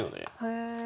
へえ。